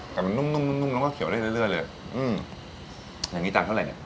แต่มันนุ่มแล้วก็เคี้ยวได้เรื่อยเลยอย่างนี้ตั้งเท่าไหร่เนี่ย